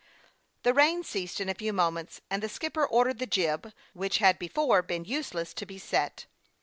The rain ceased in a few moments, and the skip per ordered the jib, which had before been useless, to be set.